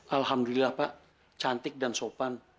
alhamdulillah pak cantik dan sopan